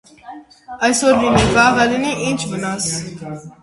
Այսօր լինի, վաղը լինի, ի՞նչ վնաս: